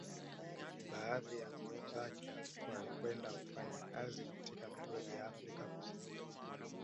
Baadhi ya ndugu zake walikwenda kufanya kazi katika migodi ya Afrika Kusini